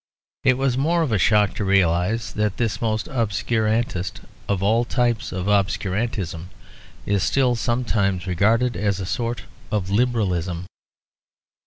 It was more of a shock to realise that this most obscurantist of all types of obscurantism is still sometimes regarded as a sort of liberalism.